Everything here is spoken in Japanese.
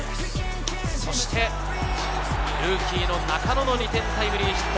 そしてルーキーの中野の２点タイムリーヒット。